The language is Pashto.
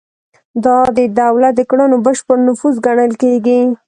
دا د دولت د کړنو بشپړ نفوذ ګڼل کیږي.